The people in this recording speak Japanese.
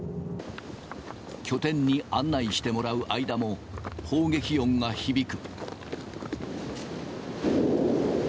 拠点に案内してもらう間も、砲撃音が響く。